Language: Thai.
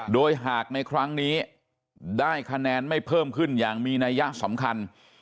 โดยหากในครั้งนี้ได้คะแนนไม่เพิ่มขึ้นอย่างมีนัยยะสำคัญ